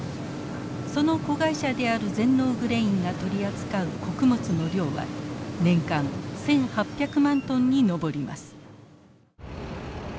その子会社である全農グレインが取り扱う穀物の量は年間１，８００万トンに上ります。